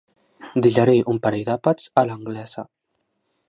Digerir un parell d'àpats a l'anglesa.